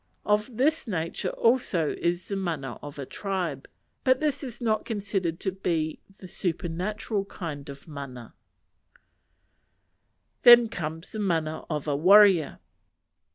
Of this nature also is the mana of a tribe; but this is not considered to be the supernatural kind of mana. Then comes the mana of a warrior.